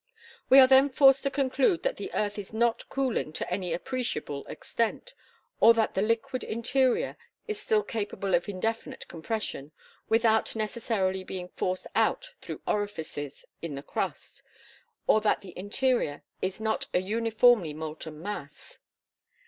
We are then forced to conclude that the earth is not cooling to any appreciable extent; or that the liquid interior is still capable of indefinite compression without necessarily being forced out through orifices in the crust; or that the interior is not a uniformly molten mass.